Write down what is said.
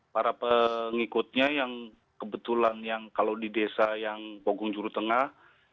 para pengikutnya yang kebetulan yang kalau di desa yang pogong jurutengah